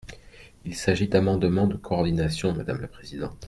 Il s’agit d’amendements de coordination, madame la présidente.